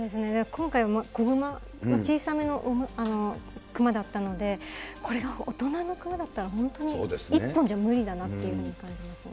今回、子熊、小さめの熊だったので、これが大人の熊だったら、本当に、１本じゃ無理だなというふうに感じますね。